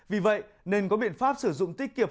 vì vậy nên có biện pháp sử dụng tiết kiệm